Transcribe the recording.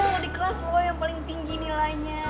kalau di kelas lo yang paling tinggi nilainya